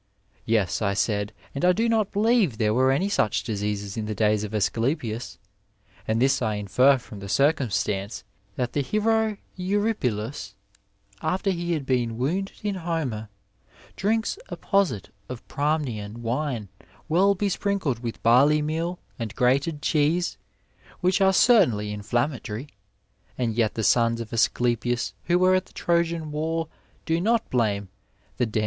Tes, I said, and I do not believe there were any such diseases in the days of Asclepius ; and this I infer from the circumstance that the hero Eurypylus, after he has heexi wounded in Homer, drinks a posset of Pramnian wine well besprinkled with barley meal and grated cheese, which are certainly inflammatory, and yet the sons of Asclepius who were at the Trojan war do not blame the damsol ^ Dialog uesy iii.